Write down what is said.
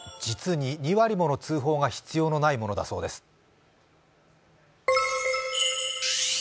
実に２割もの通報が必要のないものだそうです。